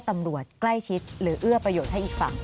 ตำรวจใกล้ชิดหรือเอื้อประโยชน์ให้อีกฝั่ง